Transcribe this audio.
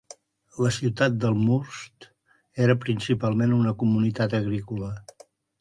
La ciutat d'Elmhurst era principalment una comunitat agrícola.